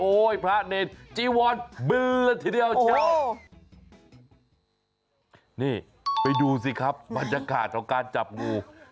โอ้ยพระเนธจีวัลบื้อทีเดียวโอ้นี่ไปดูสิครับบรรยากาศของการจับงู